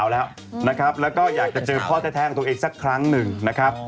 แล้วนะครับแล้วก็อยากจะเจอพ่อแท้ของตัวเองสักครั้งหนึ่งนะครับ